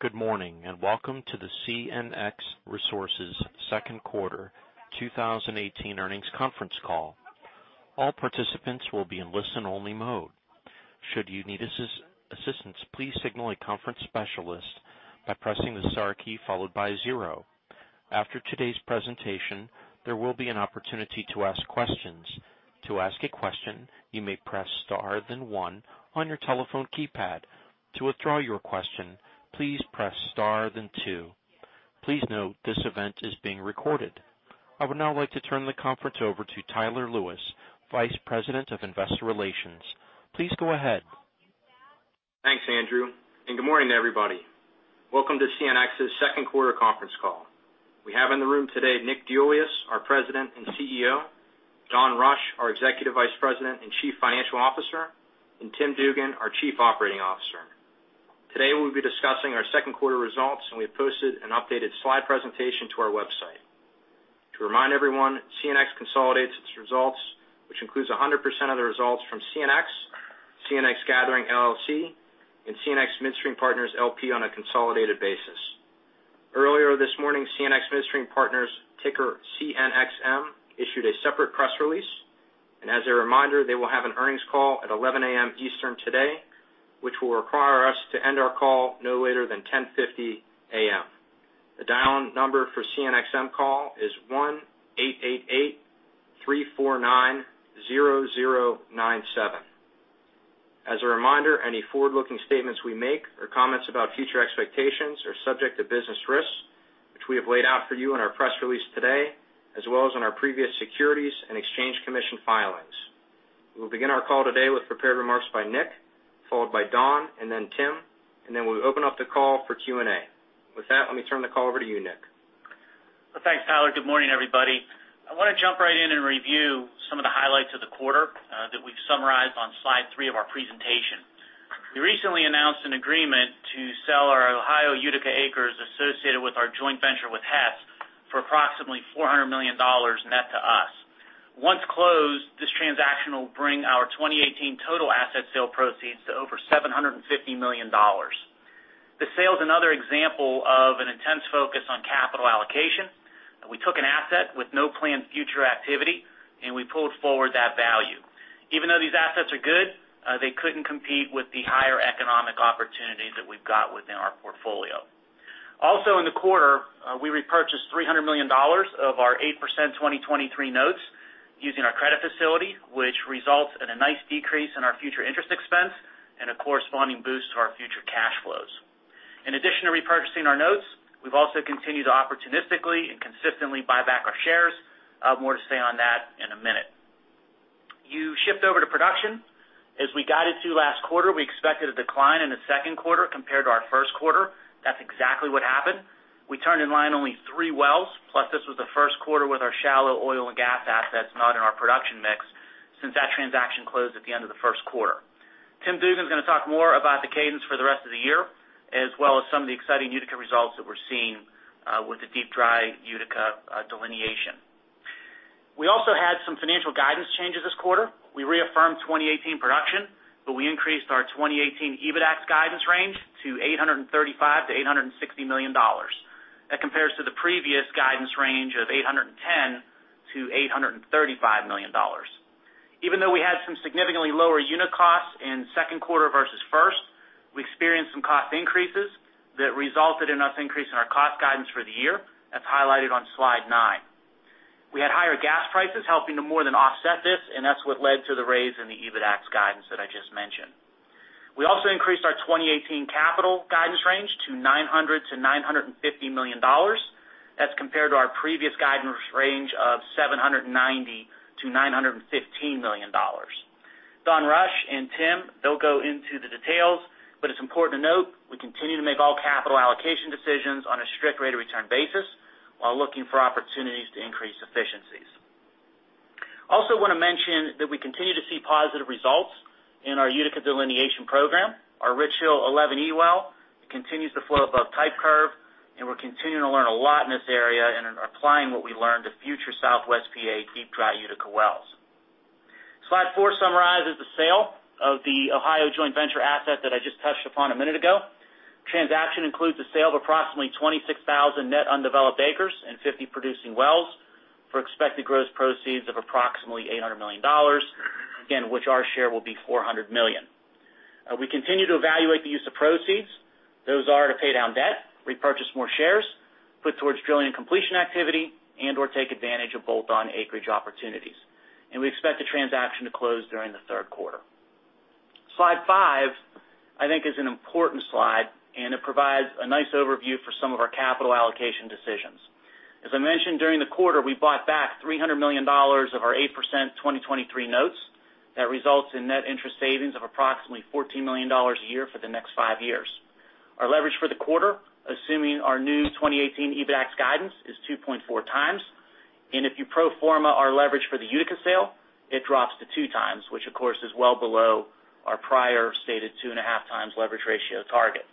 Good morning, welcome to CNX Resources second quarter 2018 earnings conference call. All participants will be in listen-only mode. Should you need assistance, please signal a conference specialist by pressing the star key followed by zero. After today's presentation, there will be an opportunity to ask questions. To ask a question, you may press star then one on your telephone keypad. To withdraw your question, please press star then two. Please note this event is being recorded. I would now like to turn the conference over to Tyler Lewis, Vice President of Investor Relations. Please go ahead. Thanks, Andrew, good morning, everybody. Welcome to CNX's second quarter conference call. We have in the room today Nick DeIuliis, our President and CEO, Don Rush, our Executive Vice President and Chief Financial Officer, and Tim Dugan, our Chief Operating Officer. Today we'll be discussing our second quarter results, and we have posted an updated slide presentation to our website. To remind everyone, CNX consolidates its results, which includes 100% of the results from CNX Gathering LLC, and CNX Midstream Partners LP on a consolidated basis. Earlier this morning, CNX Midstream Partners, ticker CNXM, issued a separate press release. As a reminder, they will have an earnings call at 11:00 A.M. Eastern today, which will require us to end our call no later than 10:50 A.M. The dial-in number for CNXM call is 1-888-349-0097. As a reminder, any forward-looking statements we make or comments about future expectations are subject to business risks, which we have laid out for you in our press release today, as well as in our previous Securities and Exchange Commission filings. We will begin our call today with prepared remarks by Nick, followed by Don, and then Tim, and then we'll open up the call for Q&A. With that, let me turn the call over to you, Nick. Well, thanks, Tyler. Good morning, everybody. I want to jump right in and review some of the highlights of the quarter that we've summarized on slide three of our presentation. We recently announced an agreement to sell our Ohio Utica acres associated with our joint venture with Hess for approximately $400 million net to us. Once closed, this transaction will bring our 2018 total asset sale proceeds to over $750 million. The sale is another example of an intense focus on capital allocation. We took an asset with no planned future activity, and we pulled forward that value. Even though these assets are good, they couldn't compete with the higher economic opportunities that we've got within our portfolio. Also in the quarter, we repurchased $300 million of our 8% 2023 notes using our credit facility, which results in a nice decrease in our future interest expense and a corresponding boost to our future cash flows. In addition to repurchasing our notes, we've also continued to opportunistically and consistently buy back our shares. I'll have more to say on that in a minute. You shift over to production. As we guided to last quarter, we expected a decline in the second quarter compared to our first quarter. That's exactly what happened. We turned in line only three wells, plus this was the first quarter with our shallow oil and gas assets not in our production mix since that transaction closed at the end of the first quarter. Tim Dugan's going to talk more about the cadence for the rest of the year, as well as some of the exciting Deep Dry Utica results that we're seeing with the Deep Dry Utica delineation. We also had some financial guidance changes this quarter. We reaffirmed 2018 production. We increased our 2018 EBITDAX guidance range to $835 million-$860 million. That compares to the previous guidance range of $810 million-$835 million. Even though we had some significantly lower unit costs in second quarter versus first, we experienced some cost increases that resulted in us increasing our cost guidance for the year. That's highlighted on slide nine. That's what led to the raise in the EBITDAX guidance that I just mentioned. We also increased our 2018 capital guidance range to $900 million-$950 million. That's compared to our previous guidance range of $790 million-$915 million. Don Rush and Tim, they'll go into the details. It's important to note we continue to make all capital allocation decisions on a strict rate of return basis while looking for opportunities to increase efficiencies. Want to mention that we continue to see positive results in our Utica delineation program. Our Richhill 11E well continues to flow above type curve. We're continuing to learn a lot in this area and are applying what we learned to future Southwest PA Deep Dry Utica wells. Slide four summarizes the sale of the Ohio joint venture asset that I just touched upon a minute ago. Transaction includes the sale of approximately 26,000 net undeveloped acres and 50 producing wells for expected gross proceeds of approximately $800 million, again, which our share will be $400 million. We continue to evaluate the use of proceeds. Those are to pay down debt, repurchase more shares, put towards drilling and completion activity, and/or take advantage of bolt-on acreage opportunities. We expect the transaction to close during the third quarter. Slide five, I think is an important slide. It provides a nice overview for some of our capital allocation decisions. As I mentioned during the quarter, we bought back $300 million of our 8% 2023 notes. That results in net interest savings of approximately $14 million a year for the next five years. Our leverage for the quarter, assuming our new 2018 EBITDAX guidance, is 2.4 times. If you pro forma our leverage for the Utica sale, it drops to 2 times, which of course is well below our prior stated 2.5 times leverage ratio target.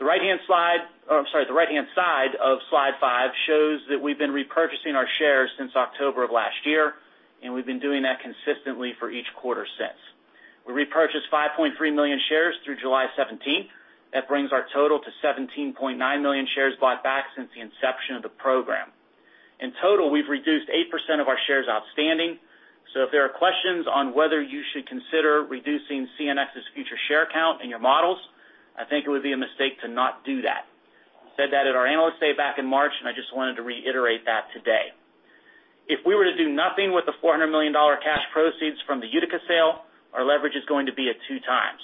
The right-hand side of slide five shows that we've been repurchasing our shares since October of last year, and we've been doing that consistently for each quarter since. We repurchased 5.3 million shares through July 17th. That brings our total to 17.9 million shares bought back since the inception of the program. In total, we've reduced 8% of our shares outstanding. If there are questions on whether you should consider reducing CNX's future share count in your models, I think it would be a mistake to not do that. Said that at our Analyst Day back in March, and I just wanted to reiterate that today. If we were to do nothing with the $400 million cash proceeds from the Utica sale, our leverage is going to be at two times.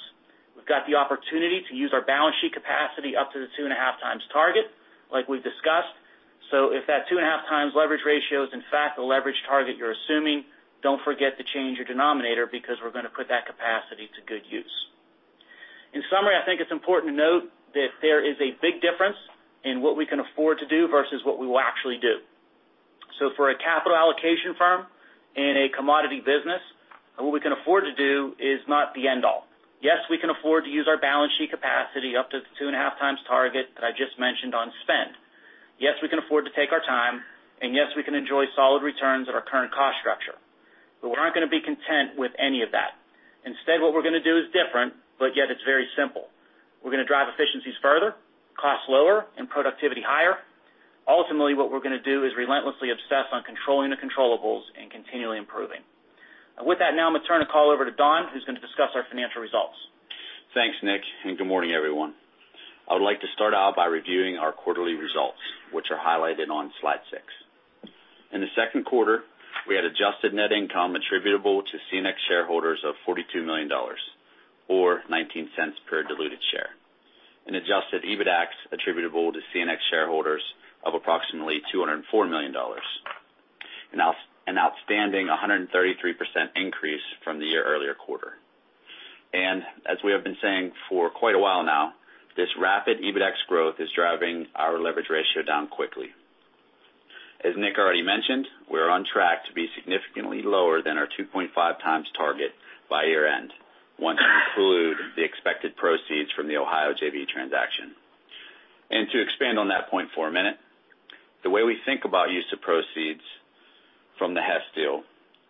We've got the opportunity to use our balance sheet capacity up to the 2.5 times target, like we've discussed. If that 2.5 times leverage ratio is, in fact, the leverage target you're assuming, don't forget to change your denominator because we're going to put that capacity to good use. I think it's important to note that there is a big difference in what we can afford to do versus what we will actually do. For a capital allocation firm in a commodity business, what we can afford to do is not the end all. We can afford to use our balance sheet capacity up to the 2.5 times target that I just mentioned on spend. We can afford to take our time, and we can enjoy solid returns at our current cost structure. We aren't going to be content with any of that. Instead, what we're going to do is different, yet it's very simple. We're going to drive efficiencies further, costs lower, and productivity higher. Ultimately, what we're going to do is relentlessly obsess on controlling the controllables and continually improving. With that, now I'm going to turn the call over to Don, who's going to discuss our financial results. Thanks, Nick. Good morning, everyone. I would like to start out by reviewing our quarterly results, which are highlighted on slide six. In the second quarter, we had adjusted net income attributable to CNX shareholders of $42 million, or $0.19 per diluted share. An adjusted EBITDAX attributable to CNX shareholders of approximately $204 million, an outstanding 133% increase from the year earlier quarter. As we have been saying for quite a while now, this rapid EBITDAX growth is driving our leverage ratio down quickly. As Nick already mentioned, we're on track to be significantly lower than our 2.5 times target by year-end, once you include the expected proceeds from the Ohio JV transaction. To expand on that point for a minute, the way we think about use of proceeds from the Hess deal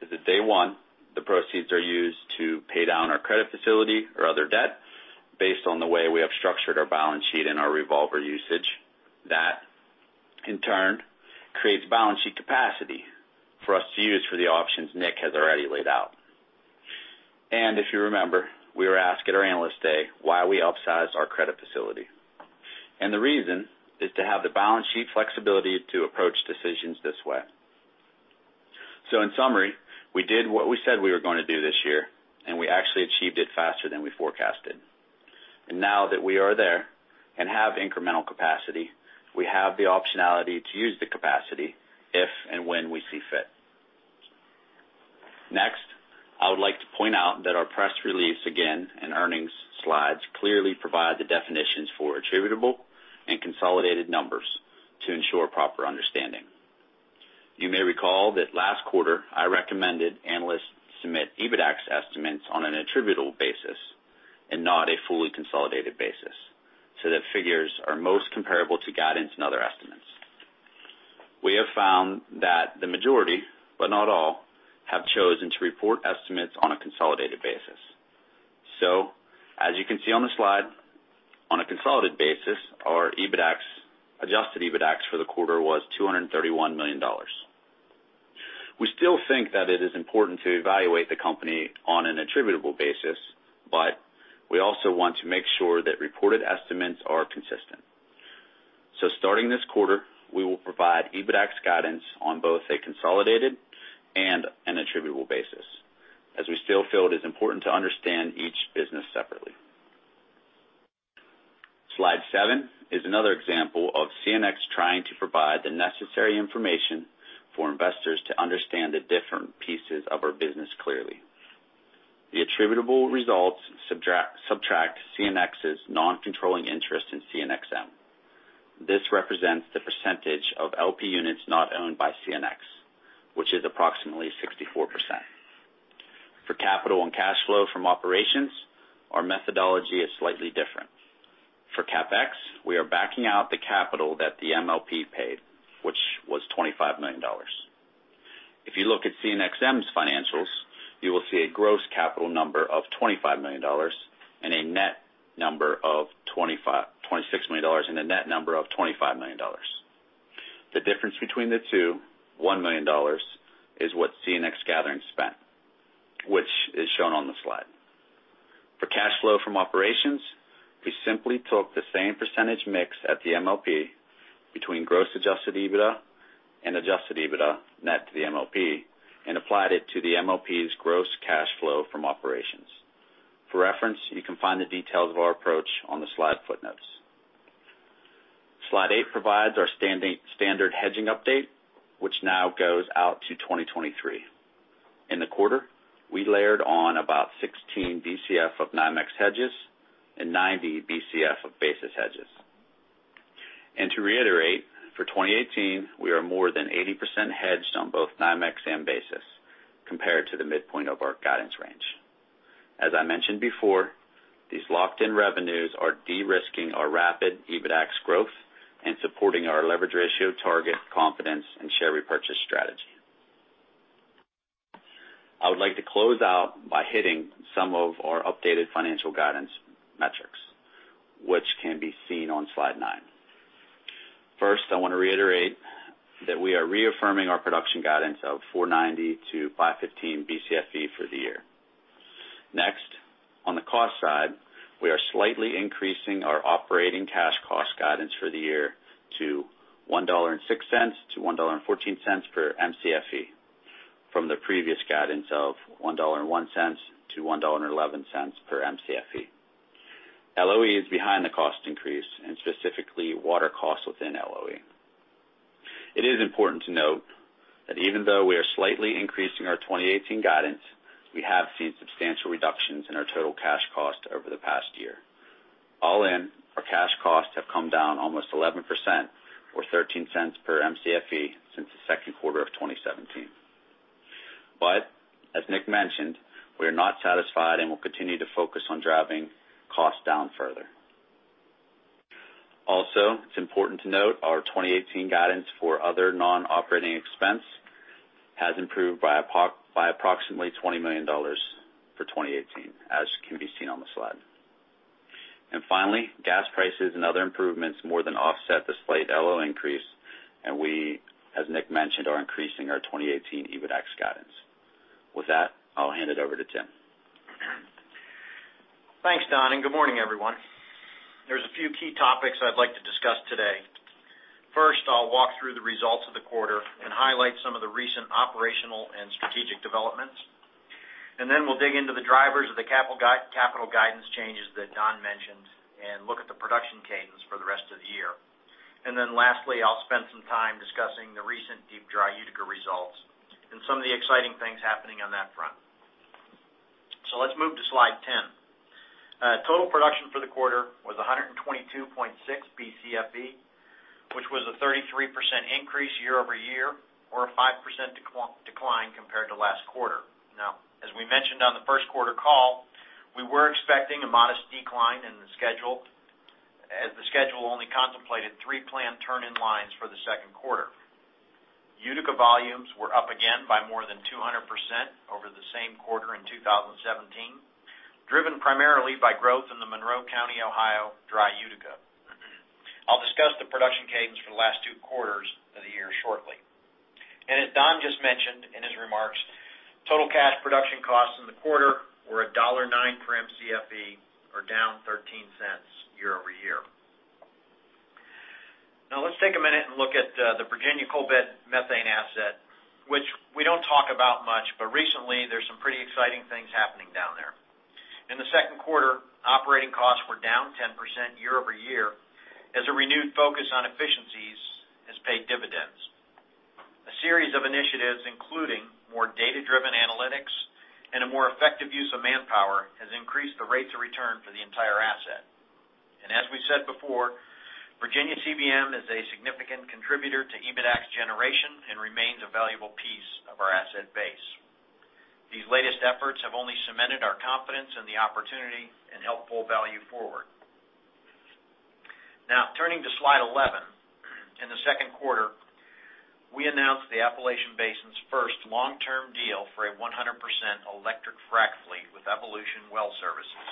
is that day 1, the proceeds are used to pay down our credit facility or other debt based on the way we have structured our balance sheet and our revolver usage. That in turn creates balance sheet capacity for us to use for the options Nick has already laid out. If you remember, we were asked at our Analyst Day why we upsized our credit facility. The reason is to have the balance sheet flexibility to approach decisions this way. In summary, we did what we said we were going to do this year, and we actually achieved it faster than we forecasted. Now that we are there and have incremental capacity, we have the optionality to use the capacity if and when we see fit. Next, I would like to point out that our press release again and earnings slides clearly provide the definitions for attributable and consolidated numbers to ensure proper understanding. You may recall that last quarter I recommended analysts submit EBITDAX estimates on an attributable basis and not a fully consolidated basis, so that figures are most comparable to guidance and other estimates. We have found that the majority, but not all, have chosen to report estimates on a consolidated basis. As you can see on the slide, on a consolidated basis, our adjusted EBITDAX for the quarter was $231 million. We still think that it is important to evaluate the company on an attributable basis, but we also want to make sure that reported estimates are consistent. Starting this quarter, we will provide EBITDAX guidance on both a consolidated and an attributable basis, as we still feel it is important to understand each business separately. Slide seven is another example of CNX trying to provide the necessary information for investors to understand the different pieces of our business clearly. The attributable results subtract CNX's non-controlling interest in CNXM. This represents the percentage of LP units not owned by CNX, which is approximately 64%. For capital and cash flow from operations, our methodology is slightly different. For CapEx, we are backing out the capital that the MLP paid, which was $25 million. If you look at CNXM's financials, you will see a gross capital number of $25 million and a net number of $26 million and a net number of $25 million. The difference between the 2, $1 million, is what CNX Gathering spent, which is shown on the slide. For cash flow from operations, we simply took the same percentage mix at the MLP between gross adjusted EBITDA and adjusted EBITDA net to the MLP and applied it to the MLP's gross cash flow from operations. For reference, you can find the details of our approach on the slide footnotes. Slide eight provides our standard hedging update, which now goes out to 2023. In the quarter, we layered on about 16 Bcf of NYMEX hedges and 90 Bcf of basis hedges. To reiterate, for 2018, we are more than 80% hedged on both NYMEX and basis compared to the midpoint of our guidance range. As I mentioned before, these locked-in revenues are de-risking our rapid EBITDAX growth and supporting our leverage ratio target confidence and share repurchase strategy. I would like to close out by hitting some of our updated financial guidance metrics, which can be seen on slide nine. First, I want to reiterate that we are reaffirming our production guidance of 490-515 Bcfe for the year. Next, on the cost side, we are slightly increasing our operating cash cost guidance for the year to $1.06-$1.14 per Mcfe from the previous guidance of $1.01-$1.11 per Mcfe. LOE is behind the cost increase, and specifically water costs within LOE. It is important to note that even though we are slightly increasing our 2018 guidance, we have seen substantial reductions in our total cash cost over the past year. All in, our cash costs have come down almost 11%, or $0.13 per Mcfe since the second quarter of 2017. As Nick mentioned, we are not satisfied and will continue to focus on driving costs down further. Also, it's important to note our 2018 guidance for other non-operating expense has improved by approximately $20 million for 2018, as can be seen on the slide. Finally, gas prices and other improvements more than offset the slight LOE increase, and we, as Nick mentioned, are increasing our 2018 EBITDAX guidance. With that, I'll hand it over to Tim. Thanks, Don, and good morning, everyone. There's a few key topics I'd like to discuss today. First, I'll walk through the results of the quarter and highlight some of the recent operational and strategic developments. Then we'll dig into the drivers of the capital guidance changes that Don mentioned and look at the production cadence for the rest of the year. Lastly, I'll spend some time discussing the recent Deep Dry Utica results and some of the exciting things happening on that front. Let's move to slide 10. Total production for the quarter was 122.6 Bcfe, which was a 33% increase year-over-year or a 5% decline compared to last quarter. As we mentioned on the first quarter call, we were expecting a modest decline in the schedule, as the schedule only contemplated three planned turn-in-lines for the second quarter. Utica volumes were up again by more than 200% over the same quarter in 2017, driven primarily by growth in the Monroe County, Ohio Dry Utica. I'll discuss the production cadence for the last two quarters of the year shortly. As Don just mentioned in his remarks, total cash production costs in the quarter were $1.09 per Mcfe, or down $0.13 year-over-year. Let's take a minute and look at the Virginia Coal Bed Methane asset, which we don't talk about much, but recently there's some pretty exciting things happening down there. In the second quarter, operating costs were down 10% year-over-year as a renewed focus on efficiencies has paid dividends. A series of initiatives, including more data-driven analytics and a more effective use of manpower, has increased the rates of return for the entire asset. As we said before, Virginia CBM is a significant contributor to EBITDAX generation and remains a valuable piece of our asset base. These latest efforts have only cemented our confidence in the opportunity and helped pull value forward. Turning to slide 11. In the second quarter, we announced the Appalachian Basin's first long-term deal for a 100% electric frac fleet with Evolution Well Services.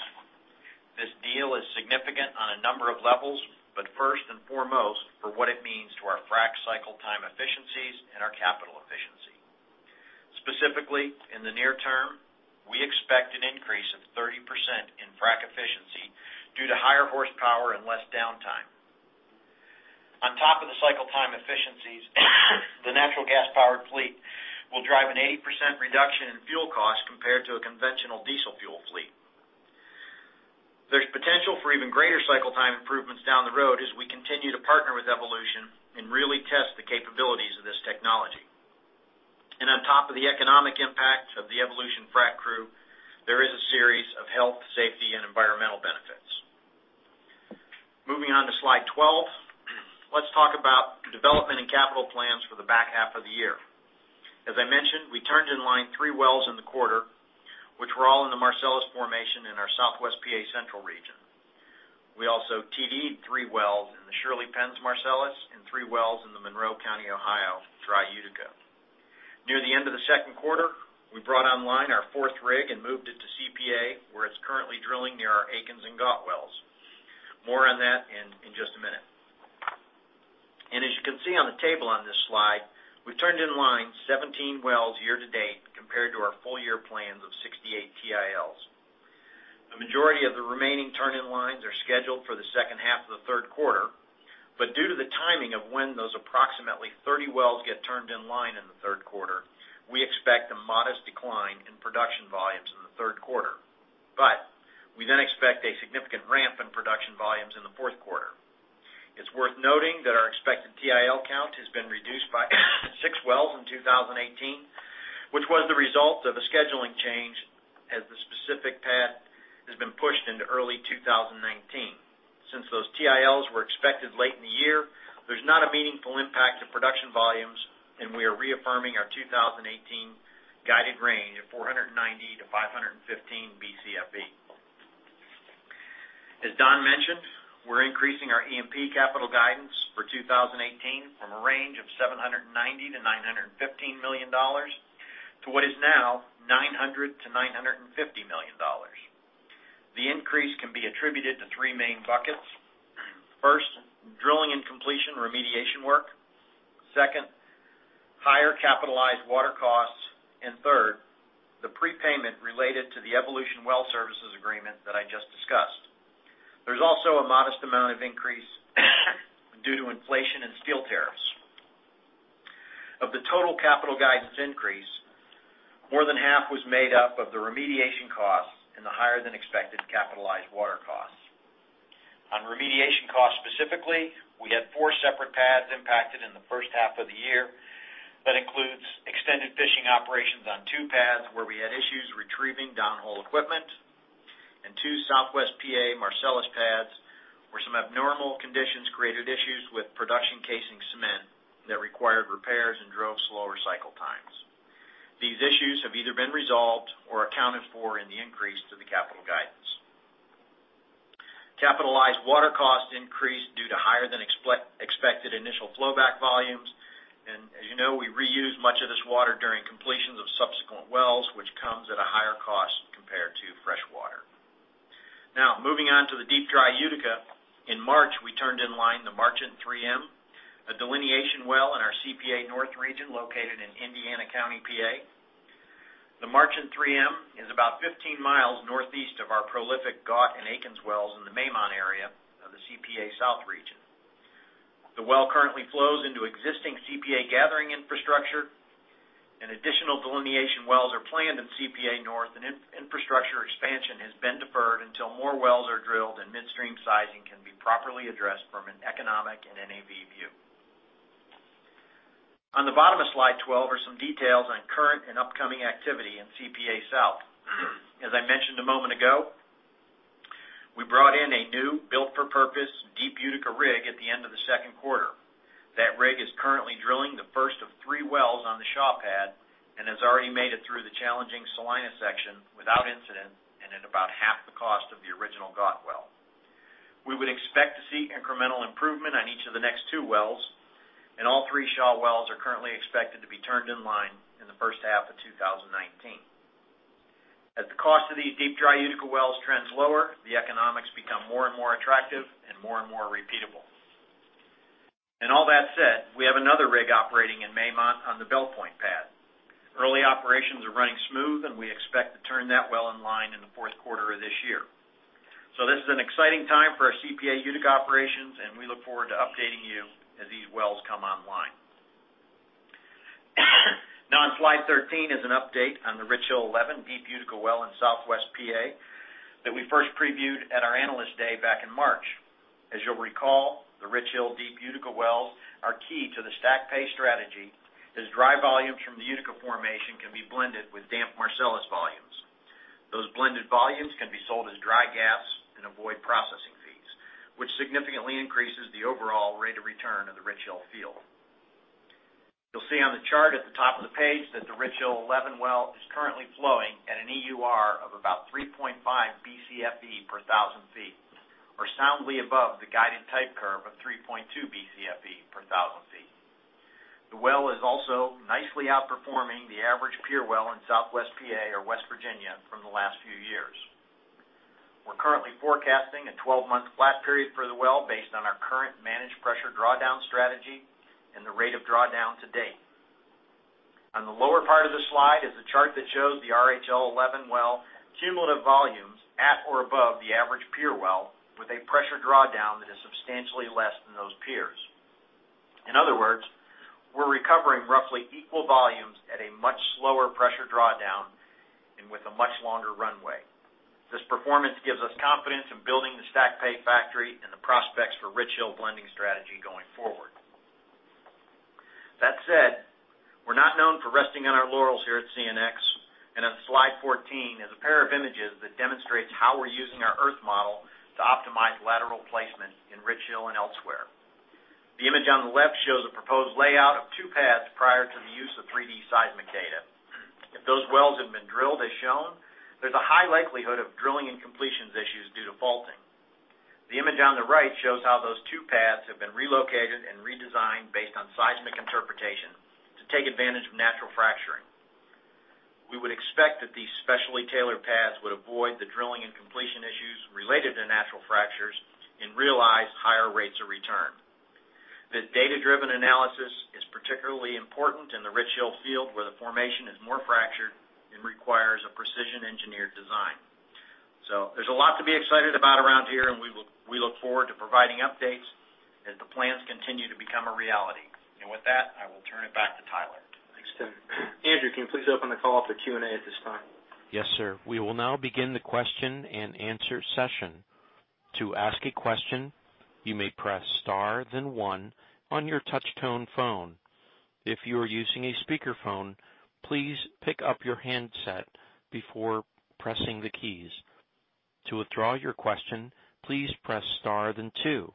This deal is significant on a number of levels, but first and foremost for what it means to our frac cycle time efficiencies and our capital efficiency. Specifically, in the near term, we expect an increase of 30% in frac efficiency due to higher horsepower and less downtime. On top of the cycle time efficiencies, the natural gas-powered fleet will drive an 80% reduction in fuel costs compared to a conventional diesel fuel fleet. There's potential for even greater cycle time improvements down the road as we continue to partner with Evolution and really test the capabilities of this technology. On top of the economic impact of the Evolution frac crew, there is a series of health, safety, and environmental benefits. Moving on to slide 12. Let's talk about development and capital plans for the back half of the year. As I mentioned, we turned in line three wells in the quarter, which were all in the Marcellus formation in our Southwest PA Central region. We also TD'd three wells in the Shirley-Penns Marcellus and three wells in the Monroe County, Ohio Dry Utica. Near the end of the second quarter, we brought online our fourth rig and moved it to CPA, where it's currently drilling near our Aikens and Gott wells. More on that in just a minute. As you can see on the table on this slide, we turned in line 17 wells year to date compared to our full-year plans of 68 TILs. The majority of the remaining turn-in-lines are scheduled for the second half of the third quarter, but due to the timing of when those approximately 30 wells get turned in line in the third quarter, we expect a modest decline in production volumes in the third quarter. We then expect a significant ramp in production volumes in the fourth quarter. It's worth noting that our expected TIL count has been reduced by six wells in 2018, which was the result of a scheduling change as the specific pad has been pushed into early 2019. Since those TILs were expected late in the year, there's not a meaningful impact to production volumes, and we are reaffirming our 2018 guided range of 490-515 Bcfe. As Don mentioned, we're increasing our E&P capital guidance for 2018 from a range of $790 million-$915 million, to what is now $900 million-$950 million. The increase can be attributed to three main buckets. First, drilling and completion remediation work. Second, higher capitalized water costs. Third, the prepayment related to the Evolution Well Services agreement that I just discussed. There's also a modest amount of increase due to inflation and steel tariffs. Of the total capital guidance increase, more than half was made up of the remediation costs and the higher than expected capitalized water costs. On remediation costs specifically, we had four separate pads impacted in the first half of the year. That includes extended fishing operations on 2 pads, where we had issues retrieving down-hole equipment, and 2 Southwest P.A. Marcellus pads, where some abnormal conditions created issues with production casing cement that required repairs and drove slower cycle times. These issues have either been resolved or accounted for in the increase to the capital guidance. Capitalized water costs increased due to higher than expected initial flow back volumes. As you know, we reuse much of this water during completions of subsequent wells, which comes at a higher cost compared to fresh water. Moving on to the Deep Dry Utica. In March, we turned in line the Marchand 3M, a delineation well in our CPA North region, located in Indiana County, P.A. The Marchand 3M is about 15 miles northeast of our prolific Gott and Aikens wells in the Maymont area of the CPA South region. The well currently flows into existing CPA gathering infrastructure. Additional delineation wells are planned in CPA North, and infrastructure expansion has been deferred until more wells are drilled and midstream sizing can be properly addressed from an economic and NAV view. On the bottom of slide 12 are some details on current and upcoming activity in CPA South. As I mentioned a moment ago, we brought in a new built-for-purpose Deep Utica rig at the end of the second quarter. That rig is currently drilling the first of 3 wells on the Shaw pad and has already made it through the challenging Salina section without incident, and at about half the cost of the original Gott well. We would expect to see incremental improvement on each of the next 2 wells, and all 3 Shaw wells are currently expected to be turned in line in the first half of 2019. As the cost of these Deep Dry Utica wells trends lower, the economics become more and more attractive and more and more repeatable. All that said, we have another rig operating in Maymont on the Bell Point pad. Early operations are running smooth, and we expect to turn that well in line in the fourth quarter of this year. This is an exciting time for our CPA Utica operations, and we look forward to updating you as these wells come online. On slide 13 is an update on the Richhill 11 Deep Utica well in southwest P.A. that we first previewed at our Analyst Day back in March. As you'll recall, the Richhill Deep Utica wells are key to the stack pay strategy, as dry volumes from the Utica formation can be blended with damp Marcellus volumes. Those blended volumes can be sold as dry gas and avoid processing fees, which significantly increases the overall rate of return of the Richhill field. You'll see on the chart at the top of the page that the Richhill 11 well is currently flowing at an EUR of about 3.5 BCFE per 1,000 feet. We're soundly above the guided type curve of 3.2 BCFE per 1,000 feet. The well is also nicely outperforming the average peer well in southwest P.A. or West Virginia from the last few years. We're currently forecasting a 12-month flat period for the well based on our current managed pressure drawdown strategy and the rate of drawdown to date. On the lower part of the slide is a chart that shows the RHL-11 well cumulative volumes at or above the average peer well, with a pressure drawdown that is substantially less than those peers. In other words, we're recovering roughly equal volumes at a much slower pressure drawdown and with a much longer runway. This performance gives us confidence in building the stack pay factory and the prospects for Richhill blending strategy going forward. That said, we're not known for resting on our laurels here at CNX. On slide 14 is a pair of images that demonstrates how we're using our Earth model to optimize lateral placement in Richhill and elsewhere. The image on the left shows a proposed layout of two paths prior to the use of 3D seismic data. If those wells have been drilled as shown, there's a high likelihood of drilling and completions issues due to faulting. The image on the right shows how those two paths have been relocated and redesigned based on seismic interpretation to take advantage of natural fracturing. We would expect that these specially tailored paths would avoid the drilling and completion issues related to natural fractures and realize higher rates of return. This data-driven analysis is particularly important in the Richhill field, where the formation is more fractured and requires a precision engineered design. There's a lot to be excited about around here, and we look forward to providing updates as the plans continue to become a reality. With that, I will turn it back to Tyler. Thanks, Tim. Andrew, can you please open the call for Q&A at this time? Yes, sir. We will now begin the question and answer session. To ask a question, you may press star then one on your touch-tone phone. If you are using a speakerphone, please pick up your handset before pressing the keys. To withdraw your question, please press star then two.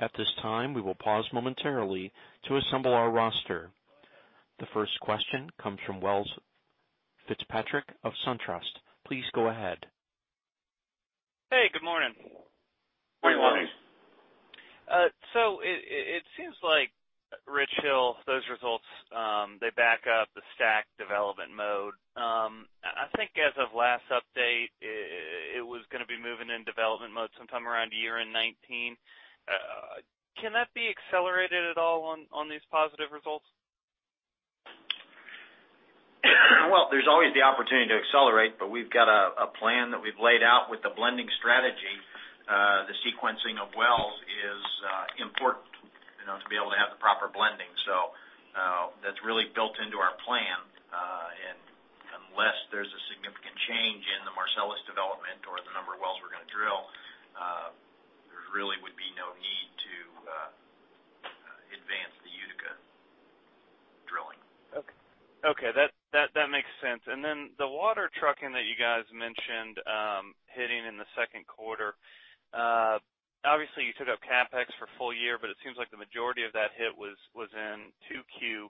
At this time, we will pause momentarily to assemble our roster. The first question comes from Welles Fitzpatrick of SunTrust. Please go ahead. Hey, good morning. Good morning. It seems like Richhill, those results, they back up the STACK development mode. I think as of last update, it was going to be moving in development mode sometime around year-end 2019. Can that be accelerated at all on these positive results? Well, there's always the opportunity to accelerate, we've got a plan that we've laid out with the blending strategy. The sequencing of wells is important to be able to have the proper blending. That's really built into our plan. Unless there's a significant change in the Marcellus development or the number of wells we're going to drill, there really would be no need to advance the Utica drilling. Okay. That makes sense. Then the water trucking that you guys mentioned hitting in the second quarter. Obviously, you took up CapEx for full year, but it seems like the majority of that hit was in 2Q.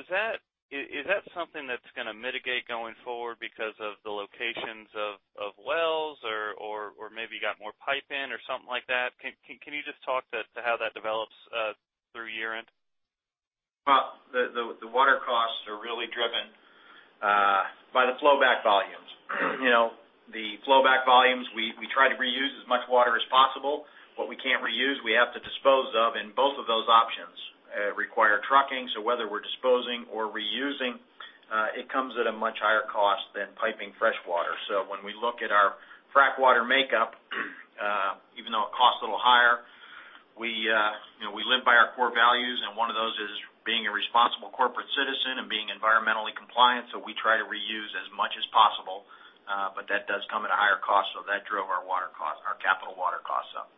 Is that something that's going to mitigate going forward because of the locations of wells or maybe you got more pipe in or something like that? Can you just talk to how that develops through year-end? The water costs are really driven by the flowback volumes. The flowback volumes, we try to reuse as much water as possible. What we can't reuse, we have to dispose of, and both of those options require trucking. Whether we're disposing or reusing, it comes at a much higher cost than piping freshwater. When we look at our frack water makeup, even though it costs a little higher, we live by our core values, and one of those is being a responsible corporate citizen and being environmentally compliant, we try to reuse as much as possible. That does come at a higher cost, that drove our capital water costs up.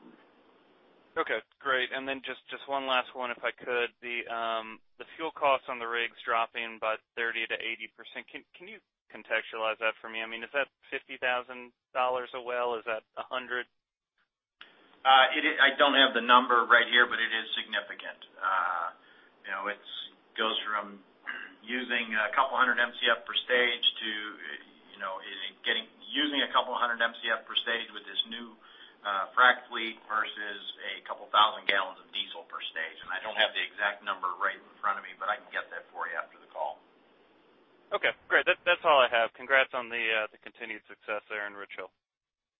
Okay, great. Then just one last one, if I could. The fuel costs on the rigs dropping by 30%-80%. Can you contextualize that for me? I mean, is that $50,000 a well? Is that $100,000? I don't have the number right here, but it is significant. It goes from using a couple hundred Mcf per stage with this new frack fleet versus a couple thousand gallons of diesel per stage. I don't have the exact number right in front of me, but I can get that for you after the call. Okay, great. That's all I have. Congrats on the continued success there in Richhill.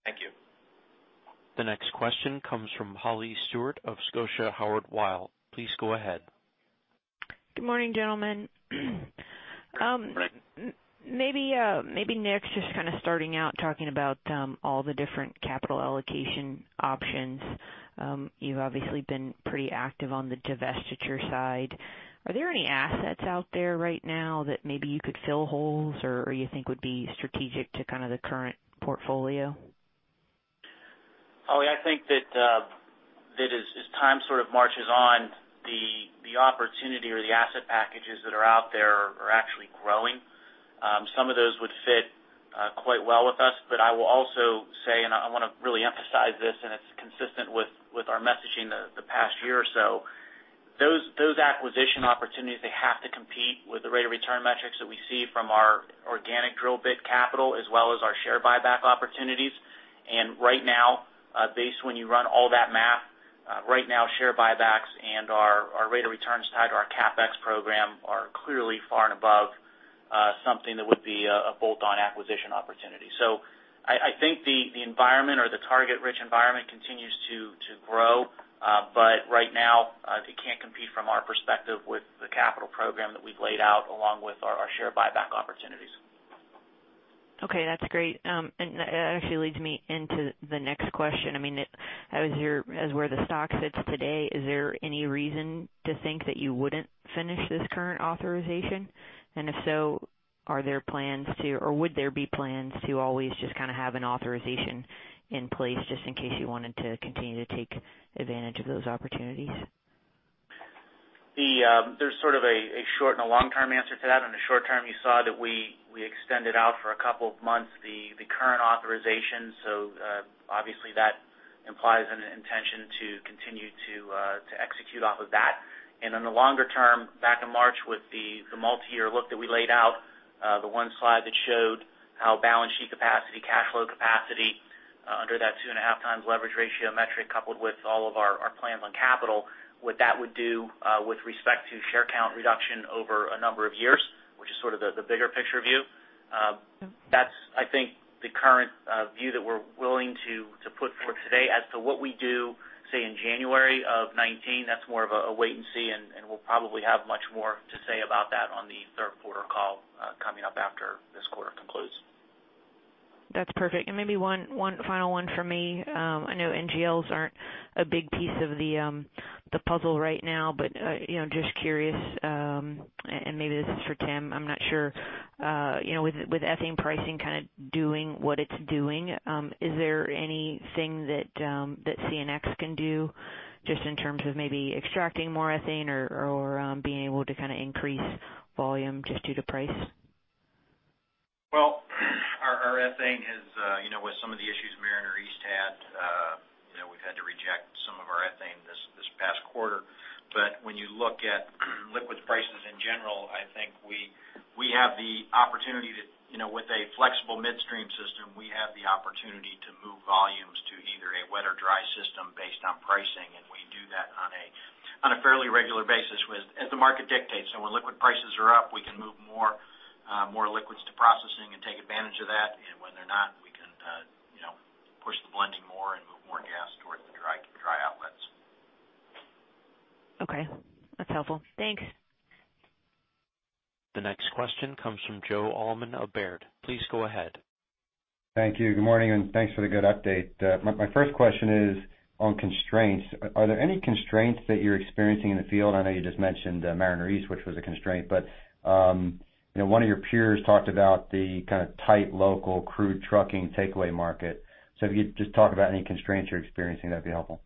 Thank you. The next question comes from Holly Stewart of Scotia Howard Weil. Please go ahead. Good morning, gentlemen. Maybe Nick, just kind of starting out talking about all the different capital allocation options. You've obviously been pretty active on the divestiture side. Are there any assets out there right now that maybe you could fill holes or you think would be strategic to kind of the current portfolio? Holly, I think that as time sort of marches on the opportunity or the asset packages that are out there are actually growing. Some of those would fit quite well with us. I will also say, and I want to really emphasize this, and it's consistent with our messaging the past year or so. Those acquisition opportunities, they have to compete with the rate of return metrics that we see from our organic drill bit capital as well as our share buyback opportunities. Right now, based when you run all that math, right now, share buybacks and our rate of returns tied to our CapEx program are clearly far and above something that would be a bolt-on acquisition opportunity. I think the environment or the target-rich environment continues to grow. Right now, it can't compete from our perspective with the capital program that we've laid out along with our share buyback opportunities. Okay, that's great. That actually leads me into the next question. As where the stock sits today, is there any reason to think that you wouldn't finish this current authorization? If so, are there plans to or would there be plans to always just kind of have an authorization in place just in case you wanted to continue to take advantage of those opportunities? There's sort of a short and a long-term answer to that. On the short term, you saw that we extended out for a couple of months the current authorization. Obviously that implies an intention to continue to execute off of that. In the longer term, back in March with the multi-year look that we laid out, the one slide that showed how balance sheet capacity, cash flow capacity under that two and a half times leverage ratio metric, coupled with all of our plans on capital, what that would do with respect to share count reduction over a number of years, which is sort of the bigger picture view. That's, I think, the current view that we're willing to put forth today as to what we do, say, in January of 2019, that's more of a wait and see. We'll probably have much more to say about that on the third quarter call. That's perfect. Maybe one final one from me. I know NGLs aren't a big piece of the puzzle right now, but just curious, and maybe this is for Tim, I'm not sure. With ethane pricing doing what it's doing, is there anything that CNX can do just in terms of maybe extracting more ethane or being able to increase volume just due to price? Well, our ethane has, with some of the issues Mariner East had, we've had to reject some of our ethane this past quarter. When you look at liquids prices in general, I think we have the opportunity to, with a flexible midstream system, we have the opportunity to move volumes to either a wet or dry system based on pricing, and we do that on a fairly regular basis as the market dictates. When liquid prices are up, we can move more liquids to processing and take advantage of that. When they're not, we can push the blending more and move more gas towards the dry outlets. Okay. That's helpful. Thanks. The next question comes from Joseph Allman of Baird. Please go ahead. Thank you. Good morning, and thanks for the good update. My first question is on constraints. Are there any constraints that you're experiencing in the field? I know you just mentioned Mariner East, which was a constraint, but one of your peers talked about the tight local crude trucking takeaway market. If you could just talk about any constraints you're experiencing, that'd be helpful.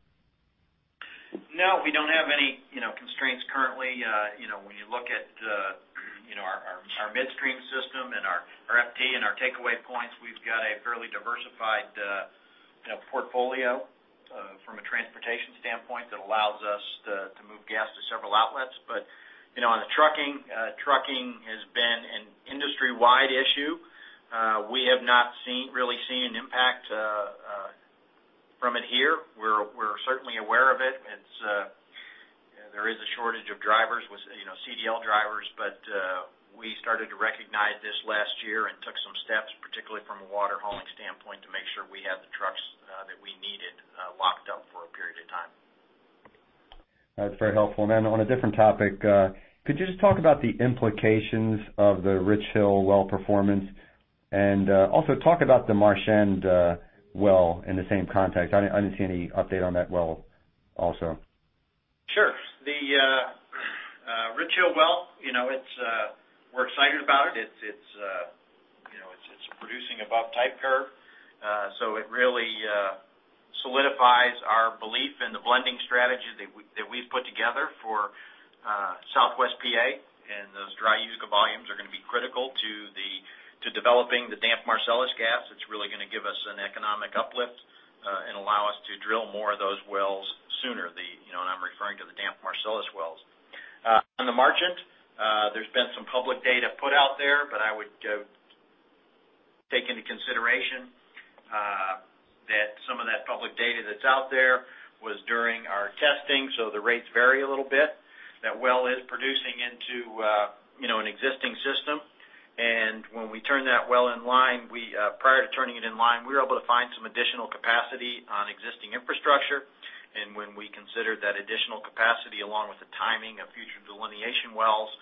No, we don't have any constraints currently. When you look at our midstream system and our FT and our takeaway points, we've got a fairly diversified portfolio from a transportation standpoint that allows us to move gas to several outlets. On the trucking has been an industry-wide issue. We have not really seen an impact from it here. We're certainly aware of it. There is a shortage of CDL drivers, but we started to recognize this last year and took some steps, particularly from a water hauling standpoint, to make sure we had the trucks that we needed locked up for a period of time. That's very helpful. On a different topic, could you just talk about the implications of the Richhill well performance? Also talk about the Marchand well in the same context. I didn't see any update on that well also. Sure. The Richhill well, we're excited about it. It's producing above type curve. It really solidifies our belief in the blending strategy that we've put together for Southwest P.A., and those dry Utica volumes are going to be critical to developing the damp Marcellus gas. It's really going to give us an economic uplift and allow us to drill more of those wells sooner. I'm referring to the damp Marcellus wells. On the Marchand, there's been some public data put out there, I would take into consideration that some of that public data that's out there was during our testing, so the rates vary a little bit. That well is producing into an existing system. When we turned that well in line, prior to turning it in line, we were able to find some additional capacity on existing infrastructure. When we considered that additional capacity along with the timing of future delineation wells,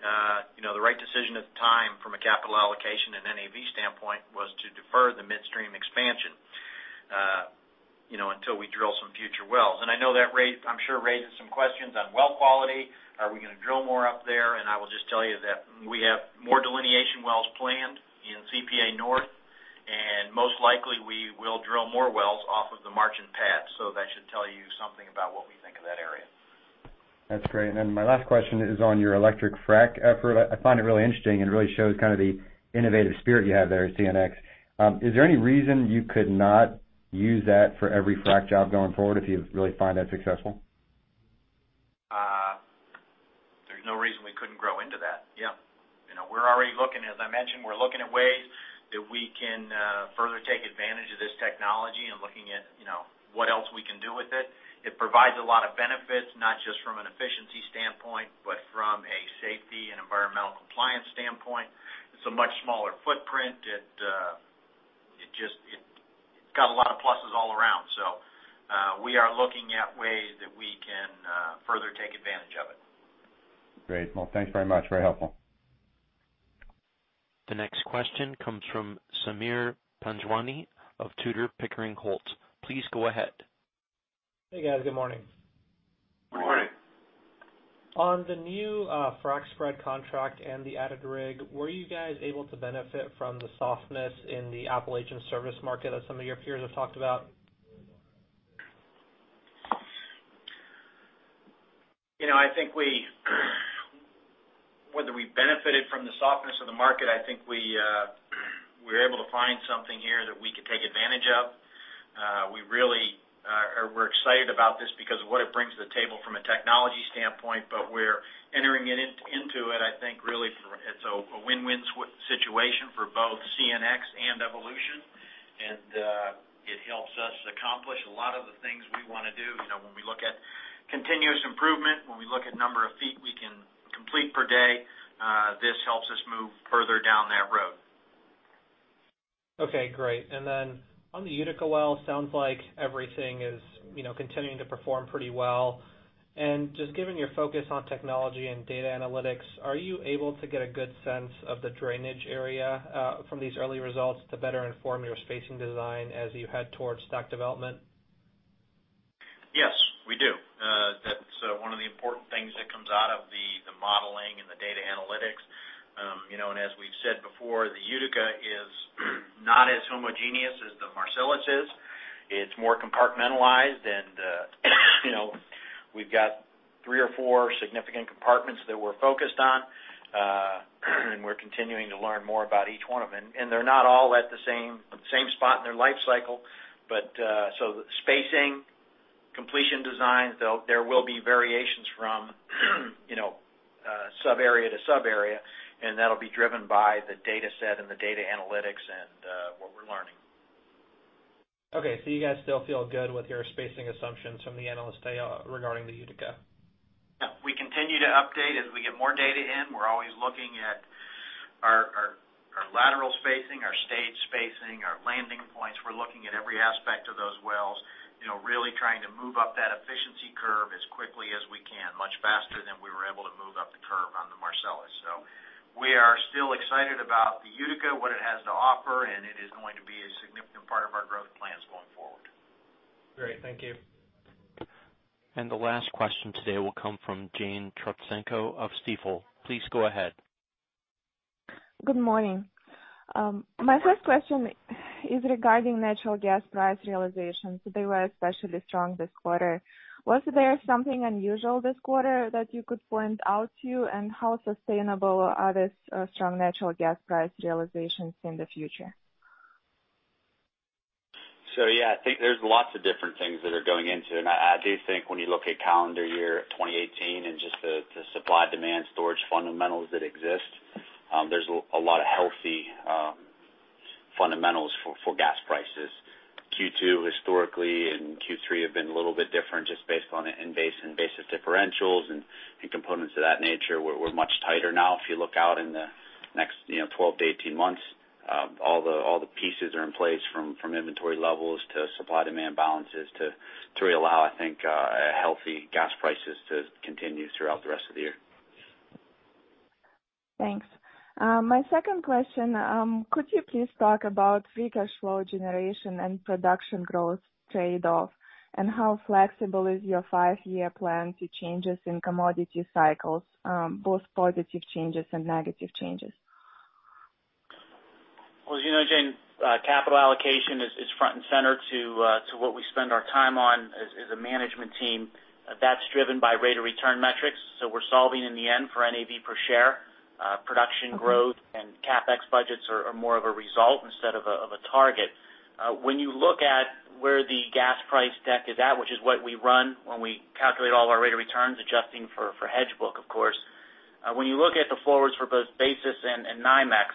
the right decision at the time from a capital allocation and NAV standpoint was to defer the midstream expansion until we drill some future wells. I know that, I'm sure, raises some questions on well quality. Are we going to drill more up there? I will just tell you that we have more delineation wells planned in C.P.A. North, and most likely we will drill more wells off of the Marchand pad. That should tell you something about what we think of that area. That's great. My last question is on your electric frack effort. I find it really interesting, and it really shows the innovative spirit you have there at CNX. Is there any reason you could not use that for every frack job going forward if you really find that successful? There's no reason we couldn't grow into that. Yep. As I mentioned, we're looking at ways that we can further take advantage of this technology and looking at what else we can do with it. It provides a lot of benefits, not just from an efficiency standpoint, but from a safety and environmental compliance standpoint. It's a much smaller footprint. It's got a lot of pluses all around. We are looking at ways that we can further take advantage of it. Great. Well, thanks very much. Very helpful. The next question comes from Sameer Panjwani of Tudor, Pickering, Holt. Please go ahead. Hey, guys. Good morning. Good morning. On the new frack spread contract and the added rig, were you guys able to benefit from the softness in the Appalachian service market as some of your peers have talked about? Whether we benefited from the softness of the market, I think we were able to find something here that we could take advantage of. We're excited about this because of what it brings to the table from a technology standpoint, but we're entering into it, I think, really it's a win-win situation for both CNX and Evolution, and it helps us accomplish a lot of the things we want to do. When we look at continuous improvement, when we look at number of feet we can complete per day, this helps us move further down that road. Okay, great. Then on the Utica well, sounds like everything is continuing to perform pretty well. Just given your focus on technology and data analytics, are you able to get a good sense of the drainage area from these early results to better inform your spacing design as you head towards STACK development? Yes, we do. That's one of the important things that comes out of the modeling and the data analytics. As we've said before, the Utica is not as homogeneous as the Marcellus is. It's more compartmentalized and we've got three or four significant compartments that we're focused on, and we're continuing to learn more about each one of them. They're not all at the same spot in their life cycle. The spacing, completion designs, there will be variations from sub-area to sub-area, and that'll be driven by the data set and the data analytics and what we're learning. Okay, you guys still feel good with your spacing assumptions from the analyst day regarding the Utica? We continue to update as we get more data in. We're always looking at our lateral spacing, our stage spacing, our landing points. We're looking at every aspect of those wells, really trying to move up that efficiency curve as quickly as we can, much faster than we were able to move up the curve on the Marcellus. We are still excited about the Utica, what it has to offer, and it is going to be a significant part of our growth plans going forward. Great, thank you. The last question today will come from Jane Trotsenko of Stifel. Please go ahead. Good morning. My first question is regarding natural gas price realization. They were especially strong this quarter. Was there something unusual this quarter that you could point out to, and how sustainable are these strong natural gas price realizations in the future? Yeah, I think there's lots of different things that are going into it, and I do think when you look at calendar year 2018 and just the supply-demand storage fundamentals that exist, there's a lot of healthy fundamentals for gas prices. Q2 historically and Q3 have been a little bit different just based on the in-base and basis differentials and components of that nature were much tighter now. If you look out in the next 12 to 18 months, all the pieces are in place from inventory levels to supply-demand balances to really allow, I think, healthy gas prices to continue throughout the rest of the year. Thanks. My second question, could you please talk about free cash flow generation and production growth trade-off? How flexible is your five-year plan to changes in commodity cycles, both positive changes and negative changes? Well, as you know, Jane, capital allocation is front and center to what we spend our time on as a management team. That's driven by rate of return metrics. We're solving in the end for NAV per share. Production growth and CapEx budgets are more of a result instead of a target. When you look at where the gas price deck is at, which is what we run when we calculate all our rate of returns, adjusting for hedge book, of course. When you look at the forwards for both basis and NYMEX,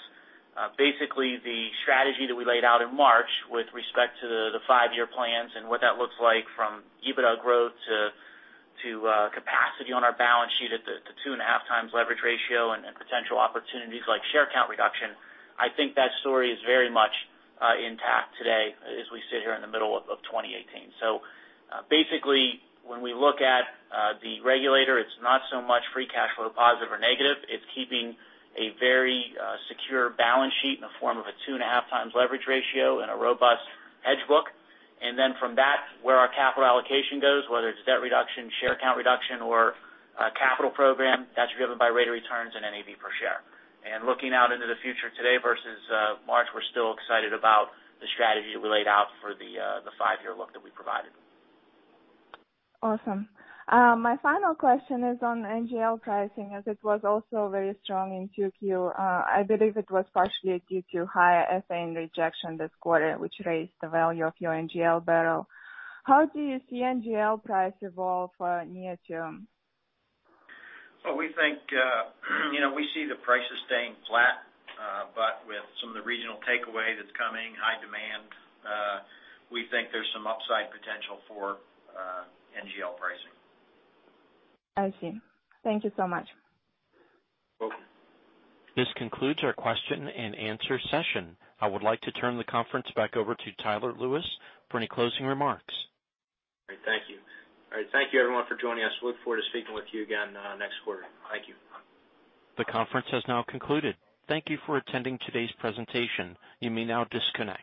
basically the strategy that we laid out in March with respect to the five-year plans and what that looks like from EBITDA growth to capacity on our balance sheet at the two and a half times leverage ratio and potential opportunities like share count reduction, I think that story is very much intact today as we sit here in the middle of 2018. Basically, when we look at the regulator, it's not so much free cash flow positive or negative. It's keeping a very secure balance sheet in the form of a two and a half times leverage ratio and a robust hedge book. Then from that, where our capital allocation goes, whether it's debt reduction, share count reduction, or capital program, that's driven by rate of returns and NAV per share. Looking out into the future today versus March, we're still excited about the strategy that we laid out for the five-year look that we provided. Awesome. My final question is on NGL pricing, as it was also very strong in 2Q. I believe it was partially due to higher ethane rejection this quarter, which raised the value of your NGL barrel. How do you see NGL price evolve near-term? We see the prices staying flat. With some of the regional takeaway that's coming, high demand, we think there's some upside potential for NGL pricing. I see. Thank you so much. Welcome. This concludes our question and answer session. I would like to turn the conference back over to Tyler Lewis for any closing remarks. Great. Thank you. All right. Thank you everyone for joining us. Look forward to speaking with you again next quarter. Thank you. The conference has now concluded. Thank you for attending today's presentation. You may now disconnect.